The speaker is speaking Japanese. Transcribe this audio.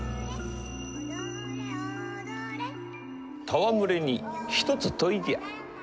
戯れに一つ問いじゃ。